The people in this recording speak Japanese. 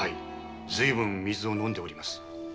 随分水を飲んでおります。